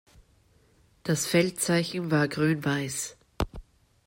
Das Feldzeichen war grün-weiß.